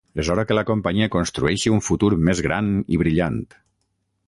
És hora que la companyia construeixi un futur més gran i brillant.